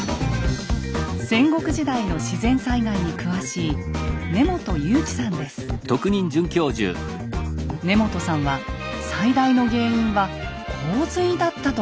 戦国時代の自然災害に詳しい根元さんは最大の原因は洪水だったと考えています。